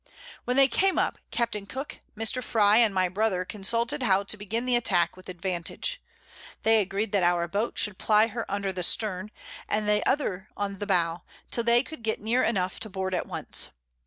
When they came up, Capt. Cooke, Mr. Frye, and my Brother consulted how to begin the Attack with advantage: They agreed that our Boat should ply her under the Stern, and the other on the Bow, till they could get near enough to board at once.